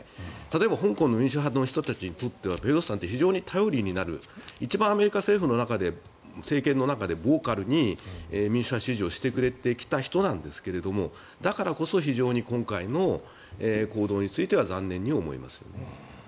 例えば香港の民主派の人たちにとってはペロシさんって非常に頼りになる一番アメリカ政府、政権の中でボーカルに民主派支持をしてくれた人なんだけどもだからこそ今回の行動に対しては残念に思いますね。